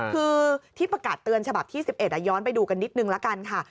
คือที่ประกาศเตือนฉบับที่๑๑ย้อนไปดูกันนิดนึงละกันค่ะ